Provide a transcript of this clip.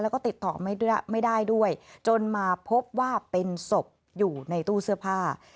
แล้วก็ติดต่อไม่ได้ด้วยจนมาพบว่าเป็นศพอยู่ในตู้เสื้อผ้า